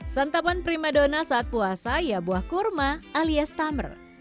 santapan prima donna saat puasa ya buah kurma alias tummer